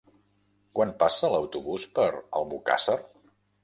Quan passa l'autobús per Albocàsser?